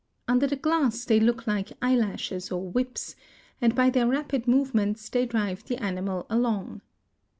Under the glass they look like eyelashes or whips, and by their rapid movements they drive the animal along.